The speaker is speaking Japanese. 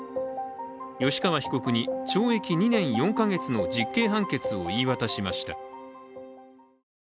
吉川被告に懲役２年４か月の実刑判決を言い渡しました。